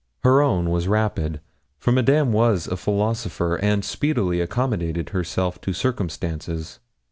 Her own was rapid; for Madame was a philosopher, and speedily accommodated herself to circumstances.